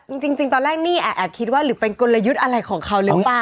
จริงตอนแรกนี่แอบคิดว่าหรือเป็นกลยุทธ์อะไรของเขาหรือเปล่า